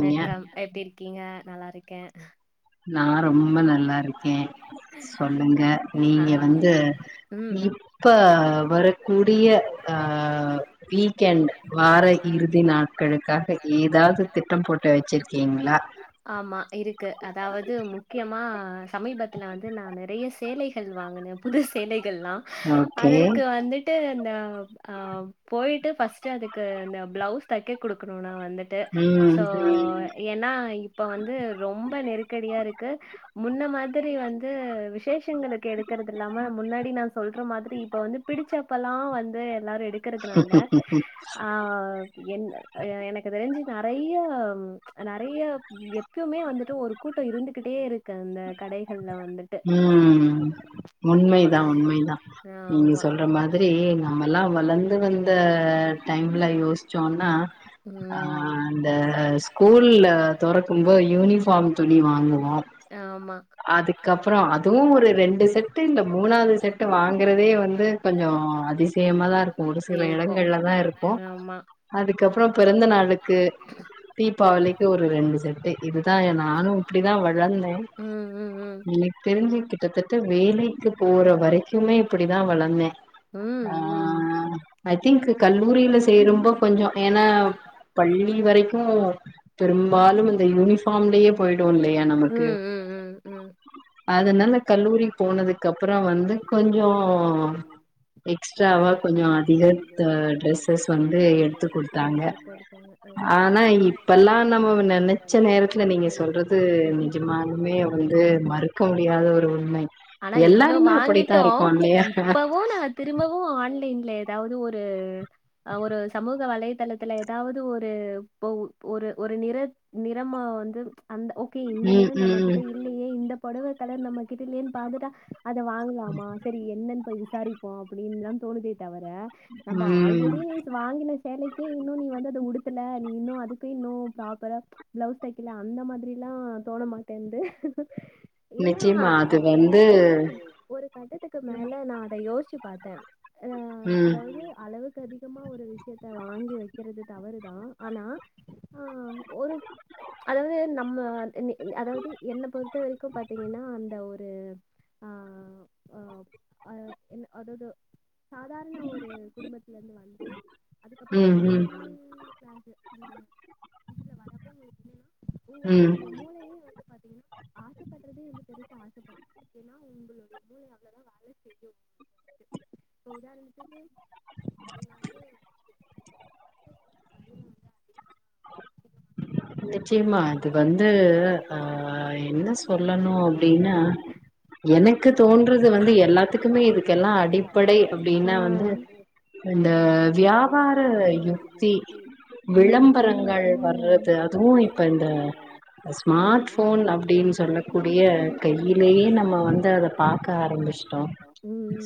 வணக்கம் எப்டி இருக்கீங்க நல்லா இருக்கே நா ரொம்ப நல்லா இருக்கே சொல்லுங்க நீங்க வந்து இப்ப வரக்கூடிய அ வீக்கேண்ட் வார இறுதி நாட்களுக்காக ஏதாவது திட்டம் போட்டு வச்சுருக்கீங்ளா ஆமா இருக்கு அதாவது முக்கியமா ஆ சமீபத்துல வந்து நா நெறைய சேலைகள் வாங்குனே புது சேலைகள்லா அதற்கு வந்து ட்டு அந்த அ போயிட்டு ஃபஸ்ட் அதுக்கு அந்த பிளவுஸ் தக்க குடுக்கணு நா வந்துட்டு சோ ஏன்னா இப்ப வந்து ரொம்ப நெருக்க க்கடியா இருக்கு முன்ன மாதிரி வந்து விஷ பேஷங்களுக்கு எடுக்கறது இல்லாம முன்னாடி நா சொல்ற மாதிரி இப்ப வந்து பிடிச்சப்பல்லாம் வந்து எல்லாரும் இருக்கிறதுனால ஆ என் எனக்கு தெரிஞ்சு நெறைய நெறைய எப்பயுமே வந்துட்டு ஒரு கூட்டோ இருந்துகிட்டே இருக்கு அந்த கடைகள்ல வந்து ம் உண்மைதா உண்மைதா நீங்க சொல்ற மாதிரி நம்மல்லா வளர்ந்து வந்த டைம்ல யோசிச்சோம்னா அ அந்த ஸ்கூல்ல துறக்க ரொம்ப யூனிஃபார்ம் துணி வாங்குவோ அதுக் அப்றோ அதுவு ஒரு ரெண்டு செண்ட்டு இல்ல மூணாவது செண்ட்டு வாங்குறதே வந்து கொஞ்சோ அதிசயமா தா இருக்கு ஒரு சில இடங்கள்லதா இருக்கு அதுக்கப்புறோ பிறந்த நாளுக்கு தீபாவளிக்கு ஒரு ரெண்டு செட்டு இதுதா நானு இப்படிதா வளர்ந்தே உம்ம் உம் எனக்கு தெரிஞ்சு கிட்டத்தட்ட வேலைக்கு போற வரைக்குமே இப்படிதா வளர்ந்தே ஆ ஐ திங்க் கல் ஊரில செய்ய ரொம்ப கொஞ்சோ ஏன்னா பள்ளி வரைக்கு பெரும்பாலும் இந்த யூனிஃபார்ம்லயே போய்டு இல்லையா நமக்கு ம் ம் ம் அதனால கல்லூரி போனதுக்கு அப்ரோ வந்து கொஞ்சோ எக்ஸ்ட்ராவா கொஞ்சோ அதிகோ ட்ரெஸ்ஸஸ் வந்து எடுத்து குடுத்தாங்க ஆனா இப்பல்லா நம்ம நெனைச்ச நேரத்துல நீங்க சொல்றது நிஜமாலுமே வந்து மறுக் ருக்க முடியாத ஒரு உண்மை எல்லாருமே அப்படித்தா இருக்கங்கா இல்லயாபா போன திரும்பவு ஆன்லைன்ல ஏதாவது ஒரு ஒரு சமூக வலைதளத்துல ஏதாவது ஒரு ஒரு ஒரு நிற நிறம வந்து அந்த கே இந்த நிறம் நம்ம கிட்ட இல்லயே இந்த பொடவ கலர் நம்ம கிட்ட இல்லயேன்னு பாதுட்டா அத வாங்கலாமா சரி என்னன்னு போய் விசாரிப்போ அப்டின்னுல்லா தோணுதே தவர நம்ம ஆல்ரெடி நீ வாங்கின சேலைக்கே இன்னும் நீ வந்து அத உடுத்துல நீ இன்னு அதுக்கு இன்னு ப்ராப்பரா பிளவுஸ் தைக்கல அந்த மாதிரி எல்லா தோண மாட்டேன்ந்து ஏன்னா எனக்கு ஒரு கட்டத்துக்கு மேல நா அத யோசிச்சு பாத்த ஆ அதாவது அளவுக் அதிகமா ஒரு விஷயத்த வாங்கி வெக்கறது தவறுதா ஆனா ஆ ஒரு அதாவது நம்ம அதாவது என்ன பொறுத்த வரைக்கு பாத்தீங்கன்னா அந்த ஒரு து ஆ அ அ என்ன அதாவது சாதாரண ஒரு குடும்பத்துல இருந்து வந்து அதுக்கப்ரோ [unintelligible] ம் மூளையே வந்து பாத்தீங்கன்னா ஆசைப்படுறதே வந்து பெருசா ஆசப்படா ஏன்னா உங்களுடைய மூளை அவ்வளோதா வேல செய்யு சௌதார் இருக்குக்கு நீங்க வந்து [inaudible] நிச்சயமா அது வந்து ஆ என்ன சொல்லணு அப்டின்னா எனக்கு தோன்றது வந்து எல்லாத்துக்குமே இதுக்கெல்லா அடிப்படை அப்டின்னா வந்து இந்த வியாபார யுக்தி விளம்பரங்கள் வர்றது அதுவு இப்ப இந்த இந்த ஸ்மார்ட் போன் அப்டின்னு சொல்லக்கூடிய கையிலேயே நம்ம வந்து அத பாக்க ஆரம்பிச் டோ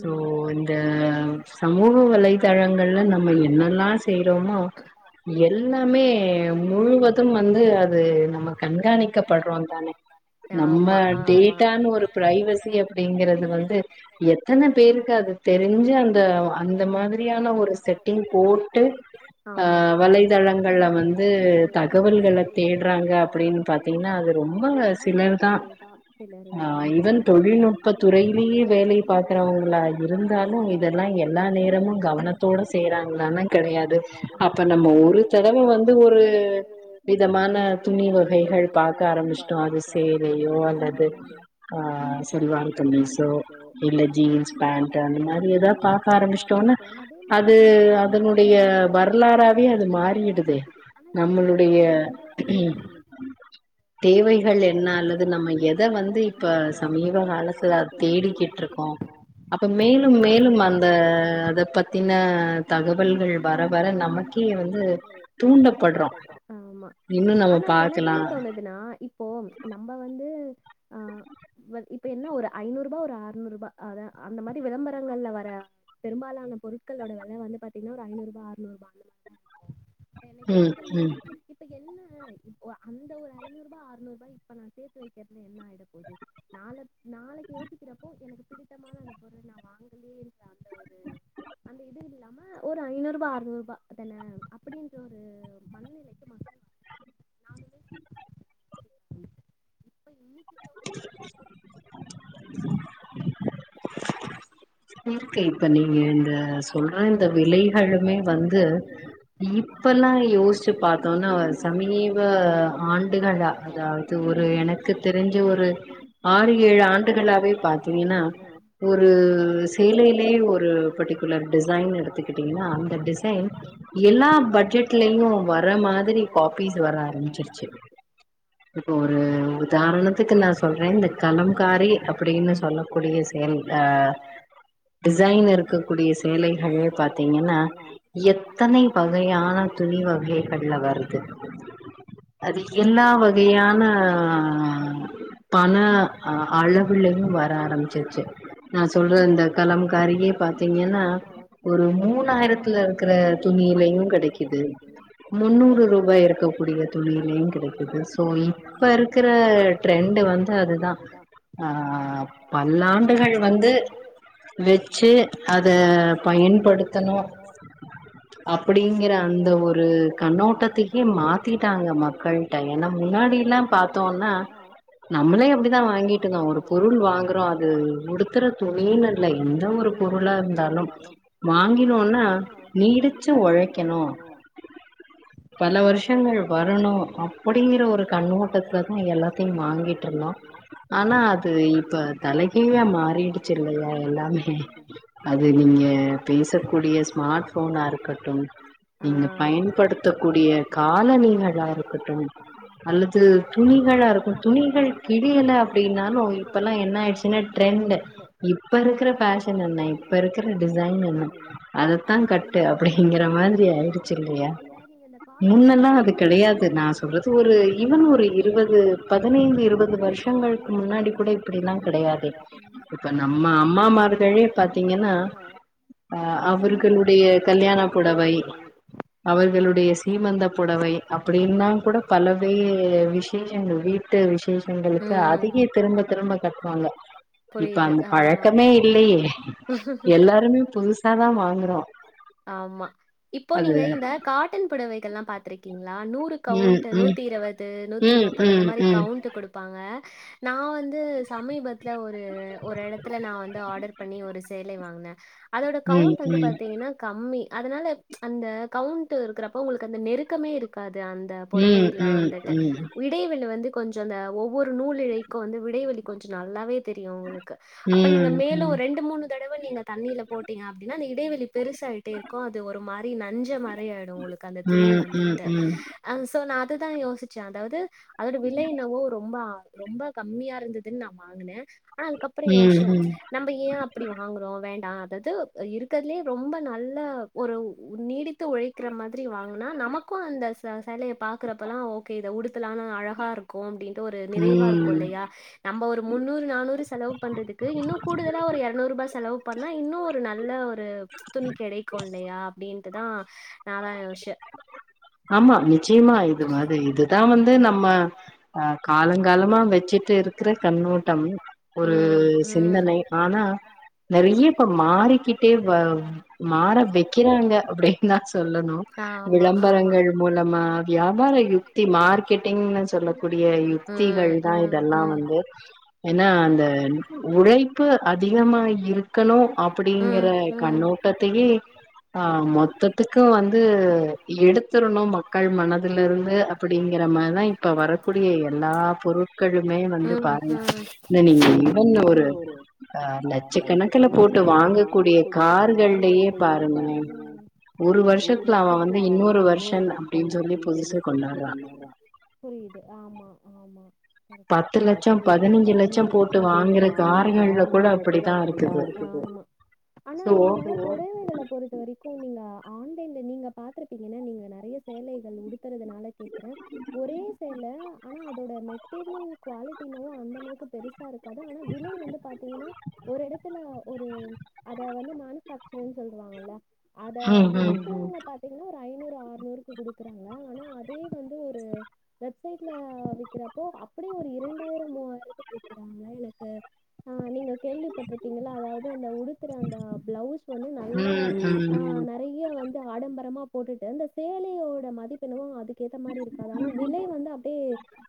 சோ இந்த சமூக வலைதளங்கள்ல நம்ம என்னல்லா செய்றோமோ எல்லாமே ஏ முழுவதும் வந்து அது நம்ம கண்காணிக்கப்படுறோ தானே நம்ம டேட்டான்னு ஒரு பிரைவசி அப்டிங்கறது வந்து எத்தன பேருக்கு அது தெரிஞ்சு அந்த அந்த மாதிரியான ஒரு செட்டிங் போட்டு ஆ வலை தளங்கள்ல வந் வந்து தகவல்கள தேடுறாங்க அப்டின்னு பாத்தீங்கன்னா அது ரொம்ப சிலர்தா அந்த தொழில்நுட்ப துறையிலயே வேலைய பாக்குறவங்களா இருந்தா எல்லா இதெல்லா எல்லா நேரமு கவனத்தோட செய்றாங்களன கெடையாது அப்ப நம்ம ஒரு தட இவங்க வந்து ஒரு விதமான துணி வகைகள் பார்க ஆரம்பிச்சுட்டோ அது சேலையோ அல்லது ஆ சல்வார் கமீசோ இல்ல ஜீன்ஸ் பேண்ட் அந்த மாதிரி ஏதா பாக்க ஆரம்பிச்சுட்டோல அதே மாதிரி இப்போ அது ஒரு வரலாறு மாறிருக்கு நம்மளுடைய ம் தேவைகள் என்ன அல்லது நம்ம எத வந்து இப்ப சமீப காலத்துல தேடிக்கிட்டு இருக்கோம் அப்போ மேலும் மேலும் அந்த அத பத்தின தகவல்கள் வர வர நம்ம நமக்கே வந்து தூண்டப்படுறா ஆமா ஆனா எனக்கு என்ன தோணுது னா இப்போ நம்ம வந்து ஆ இப்ப என்ன ஒரு ஐநூறு ரூபா ஒரு ஆர்நூறு ரூபா அத அந்த மாரி விளம்பரங்கள்ல வர பெரும்பாலான பொருட்களோட வில வந்து பாத்தீங்கன்னா ஐநூறுூபா ஆறுநூறுூபா அந்தமாரி எனக்கு என்ன தோனுதுன்னா இப்ப என்ன இ ஒ அந்த ஒரு ஐநூறு ரூபா அறுநூறு ரூபா இப்ப நான் சேர்த்து வைக்கிறதுல என்ன ஆய்ட போகுது நாளை நாளைக்கு யோசிக்கிறப்போ எனக்கு பிடித்தமான அந்த பொருள் நான் வாங்கலேயே என்ற அந்த ஒரு அந்த இது இல்லாம ஒரு ஐநூறு ரூபா அறுநூறு ரூபா அதான இது ஒரு மண்நிலை ஓகே இப்ப நீங்க இந்த சொல்ற இந்த விலைகளுமே வந்து இப்பல்லாம் யோசிச்சு பார்த்தோம்னா வர சமீப ஆண்டுகளாக அதாவது இது ஒரு எனக்கு தெரிஞ்ச ஒரு ஆறு ஏழு ஆண்டுகளாவே பாத்தீங்கன்னா ஒரு சீலையிலேயே ஒரு பர்டிகுலர் டிசைன் எடுத்துக்கிட்டிங்கன்னா அந்த டிசைன் எல்லா பட்ஜெட்லயும் வர மாதிரி காபீஸ் வர ஆரம்பிச்சிருச்சு இப்ப ஒரு உதாரணத்துக்கு நான் சொல்றேன் இந்த கலம்காரி அப்டின்னு சொல்ல கூடிய செயல் ஆ டிசைன் இருக்கக்கூடிய சேலைகள் பார்த்தீங்கன்னா எத்தனை வகையான துணி வகைகள்ல வருது அது எல்லா வகையான பண ஆ அளவுலயும் வர ஆரம்பிச்சிருச்சு நான் சொல்ற இந்த கலம் காரியே பார்த்தீங்கன்னா ஒரு மூணாயிரத்துல இருக்கிற துணியிலையும் கிடைக்கும் இது முன்னூறு ரூபாய் இருக்கக்கூடிய தொழில் இங்க கிடைக்குது சோ இப்ப இருக்கிற ட்ரெண்டு் வந்து அதுதான் ஆ பல்லாண்டுகள் வந்து வெச்சு அத பயன்படுத்தணும் அப்டிங்கிற அந்த ஒரு கண்ணோட்டத்தைகே மாத்திட்டாங்க டாங்க மக்கள்ட்ட ஏன்னா முன்னாடி எல்லாம் பார்த்தோம்னா நம்மளே அப்டிதான் வாங்கிட்டு இருந்தோம் ஒரு பொருள் வாங்குறோம் அது உடுத்துற துணி டீ நகர்ல எந்த ஒரு பொருளா இருந்தாலும் வாங்கினோனா நீடி நீடித்து உழைக்கணும் பல வருஷங்கள் வர ணு அப்டிங்கிற ஒரு கண்ணோட்டத்துல தான் எல்லாத்தையும் வாங்கிட்டுருந்தோம் ஆனா அது இப்ப தலைகீழா மாறிடுச்சு இல்லையா எல்லாமே அது நீங்க பேசக்கூடிய ஸ்மார்ட் போனா இருக்கட்டும் நீங்க பயன்படுத்தக்க கூடிய காலணிகள் களாஇருக்கட்டும் அல்லது துணிகளா இருக்கும் துணிகள் கிளியல அப்டின்னாலும் இப்பல்லாம் என்ன ஆயிடுச்சுன்னா ட்ரெண்ட்டு இப்ப இருக்கிற பேஷன் என்ன இப்ப இருக்கிற டிசைன் என்ன அதைத்தான் கட்டு அப் ஓகே அப்படிங்கற மாதிரி ஆயிருச்சு இல்லையா கடையாது நா சொல்றது ஒரு ஈவன் ஒரு இருவது பதினைந்து இருபது வருஷங்களுக்கு முன்னாடி கூட இப் போ கூட‌இப்புடி எல்லா கிடையாது இப்ப நம்ம அம்மா மார்களே பாத்தீங்கன்னா ஆ அவர்களுடைய கல்யாண புடவை அவர்களுடைய சீமந்த புடவை அப்படின்னா கூட பலவே விசேஷங்கள் வீ ட்டு விசேஷங்களுக்கு அதிக திரும்ப திரும்ப கட்டுவாங்க புரியுது ஆமா ஆமா இப்போ நீங்க இந்த காட்டன் புடவைகள்ல்லா பாத்திருக்கீங்களா நூறு கவுண்ட்டு நூத்தி இருவது நூத்தி முப்பது அந்த மாரி கவுண்ட் கொடுப்பாங்க நா வந் து சமீபத்துல ஒரு ஒரு எடத்துல நா வந்து ஆர்டர் பண்ணி ஒரு சேலை வாங்கன அதோட கவுண்ட் வந்து பாத்தீங்கன்னா கம்மி அதனால அந்த கவுண்ட் இருக்கறப்ப உங்களுக்கு அந்த நெருக்கமே இருக்காது அந் த புடவையில்ல வந்துட்டு உய் இடைவெளி வந்து கொஞ்சோ அந்த ஒவ்வொரு நூல் இழைக்கு வந்து விடைவெளி கொஞ்சோ நல்லாவே தெரியு உங்களுக்கு அப்ப நீங்க மேலு ரெண்டு மூணு தடவ நீங்க தண்ணியில போட்டீங்க அப்டின்னா அந்த இடைவெளி பெருசாயிட்டே இருக்கு அது ஒரு மாரி நஞ்ச மாரி ஆ உங்களுக்கு அந்த துணி வந்துட்டு ஆ சோ நா அதுதா யோசிச்ச அதாவது அதோட விலை என்னவோ ரொம்ப ரொம்ப கம்மியா இருந்ததுன்னு நா வாங்கன ஆ அதுக்கப்புறோ யோசிச்ச நம்ப ஏ அப்படி வாங்குறோ வேண்டா அதாவது இருக்கறதுலே ரொம்ப நல்ல ஒரு ஒ நீடித்து உழைக்கிற மாதிரி வாங்கனா நமக்கு அந்த சே சேலைய பா க்கறப்பல்லா ஓகே இத உடுத்தலான அழகா இருக்கு அப்டின்ட்டு ஒரு நிறைவா இருக்கு இல்லையா நம்ப ஒரு முன்னூறு நானூறு செலவு பண்றதுக்கு இன்னு கூடுதலா ஒரு இரநூறு ரூபா செலவு பண்ணா இன்னு ஒரு நல் ல்ல ஒரு துணி கெடைக்கு இல்லையா அப்டின்ட்டுதா நா அதா யோசிச்ச ஆமா நிச்சியமா இது மாதிரி இதுதா வந்து நம்ம ஆ காலங்காலமா வச்சுட்டு இருக்கற கண்ணோட்டம் ஒரு சிந்தனை ஆனா நறைய இப்ப மாறிக்கிட்டே வா மாற வைக்கிறாங்க அப்டின்னு தா சொல்லணு ஆமா விவரங்கள் மூலமா வியாபார யுக்தி மார்கெட்டிங்னு சொல்லக்கூடிய யு த்திகள் தா இதெல்லா வந்து ஏனா அந்த உழைப்பு அதிகமா இரு க்கணு அப்படிங்கற கண்ணோட்டத்தையே ஆ மொத்ததுக்கு வந்து எடுத்துரணு மக்கள் மனதுல இருந்து அப்படிங்கிற மாரிதா இப்ப வரக்கூடிய எ எல்லா பொருட்களுமே வந்து பாருங்க இல்ல நீங்க இடையில ஒரு ஆ லட்சக்கணக்குல போட்டு வாங்கக்கூடிய கார்கள்லையே பாருங்களே ஒரு வருஷத்துல அவன் வந் அவ வந்து இன்னொரு வருஷன்ன அப்டின்னு சொல்லி புதச கொண்டாடுறா புரியுது ஆமா ஆமா பத்து லட்சோ பதினைஞ்சு லட்சோ போட்டு வாங்குற கார்கள்ல கூட அப்படிதா இரு ஆமா ஆனா இந்த ஒரே வேலையில பொறுத்த வரை க்கு ஆன்லைன்ல நீங்க பாத்துருப்பீங்கள்ள நீங்க நறைய சேலைகள் உடுத்தறதுனால கேக் கறே ஒரே சேடுல ஆனா அதோட மெட்டீரியல் குவாலிட்டி என்னவோ அந்த அளவுக்கு பெரு சா இருக்காது ஆனா விலை வந்து பாத்தீங்கன்னா ஒரு இடத்துல ஒரு அத வந்து மேனுஃபாக்சரிங் சொல்லுவாங்கல்ல அத எடுக்கறங்க பாத் என்ன ஒரு ஐநூறு ஆறுநூறுக்கு குடுக்குறாங்க ஆனா அதே வந்து ஒரு வெப்சைட் ட்டுல வைக்கிறப்பா அப்படியே ஒரு இரண்டாயிரம் மூவாயிரத்துக்கு வைக்கிறாங்க எனக்கு ஆ நீங்க கேள்விப்பட்டிருக்கீங்களா அதாவது அந்த உடுக் த்துற அந்த பிளவுஸ் வந்து நல்ல நிறைய வந் து ஆடம்பரமா போட்டுட்டு அந்த சேலையோட மதிப்பென்னவோ அதுக்கு ஏத்த மாரி இருக்காது ஆனா விலை வந்து அப் படியே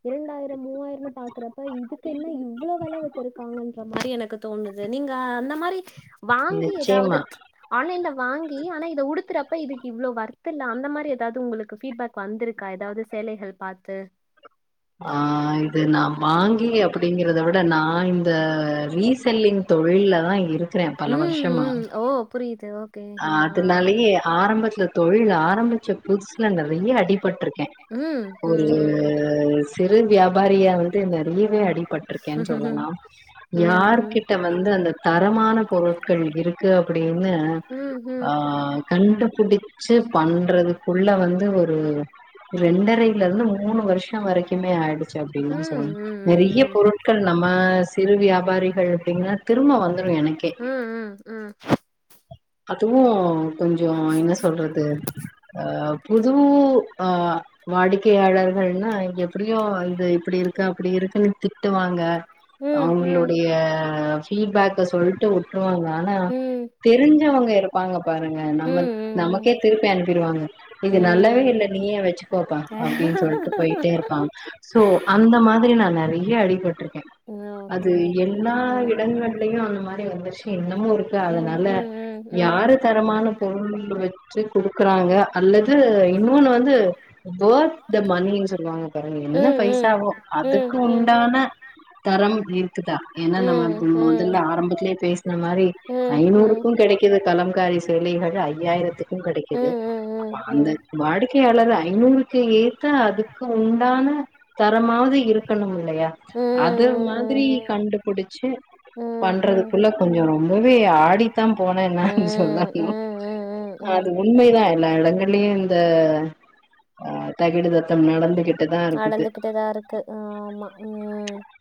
இரண்டாயிரம் மூவாயிரம்னு பாக்குறப்ப இதுக்கு என்ன இவ்ளோ வெல வைச்சிருக்காங்க அப்டின்ற மாரி எனக்கு தோணுது நீங்க அந்த மாரி வாங்கி ஏதாவது ஆன்லைன்ல வாங்கி ஆனா இத உடுதுறப்ப இதுக்கு இவ்ளோ வர்த் இல்ல அந்த மாரி எதாவது உங்களுக்கு ஃபீட்பேக் வந்திருக்கா ஏதாவது சேலைகள் பாத்து ஆ இது நா வாங்கி அப்படிங்கறத விட நா இந்த ரீசெல்லிங் தொழில்லதா இருக்குறேன் பல வருஷமா அதுனாலயே ஆரம்பத்துல தொழில் ஆரம்பிச்ச புதுசுல நெறைய அடிபட்ருக்கேன் ஒரு சிறு வியாபாரியாவது நெறையவே அடிபட்ருக்கேன் சொல்லலாம் யாரு கிட் ட்ட வந்து அந்த தரமான பொருட்கள் இருக்கு அப்டின்னு ஆ கண்டுபுடிச் சு பண்றதுக்குள்ள வந்து ஒரு ரெண்டரையில இருந்து மூணு வருஷம் வரைக்கும் மே ஆயிடுச்சு அப்டின்தா சொல்லனும் நெறைய பொருட்கள் நம்ம சிறு வியாபாரிகள் அப்டின்னு திரும்ப வந்துரும் எனக்கே ம் அதுவும் கொஞ்சோ என்ன சொல்றது ஆ புதுவும் ஆ வாடிக்கையாளர்கள்னா எப்புடியும் இது இப்படி இருக்கு அப்புடி இருக்குன்னு திட்டுவாங்க அவுங்களுடைய ஃபீட்பேக்க சொல்ட்டு வுட்டுருவாங்க ஆனா தெரிஞ்சு இருப்பாங்க பாருங்க நம்ம நமக்கே திருப்பி அனுப்பிருவாங்க இது நல்லாவே இல்ல நீயே வச்சு கோப்பா அப்டின்னு சொல்டு போயிட்டே இருப்பாங்க சோ அந்த மாதிரி நா நெறைய அடிபட்டுருக்கேன் அது எல்லா இடங்கல்லையும் அந்த மாதிரி வந்துருச்சு இன்னமும் இருக்கு அதனால யாரு தரமான பொருள் வச் சி குடுக்குறாங்க அல்லது இன்னொன்னு வந்து கோத் தெ மணின்னு சொல்லுவாங்க என்ன பைசாவோ அதுக்கு உண்டான தரம் இருக்குதா ஏன்னா நம்ம ம் மொதல்ல ஆரம்பத்துலே பேசின மாரி ஐநூறுக்கும் கெடைக் கிற கலம்காரி சேலைகளு ஐயாயிரத்துக்கும் கெடைக்குது அந்த வாடிக்கையாளர் ஐநூறுக்கு ஏத்த அதுக்கு உண்டான தரமாவது இருக்கணும் இல்லயா அது மாதிரி கண்டுபுடிச்சு பண்றதுக்குள்ள கொஞ்சம் ரொம்பவே ஆடித்தா போனேன் நானு சொல்லனும் அ அது உண்மைதா எல்லா இடங்கல்லயும் இந்த ஆ தகிட தத்தம் நடந்துகிட் நடந்துகிட்டுதா இருக்கு ஆ ஆமா ம்